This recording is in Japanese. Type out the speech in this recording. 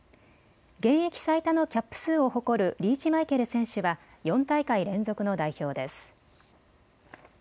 現役最多のキャップ数を誇るリーチマイケル選手は４大会連続の代表です。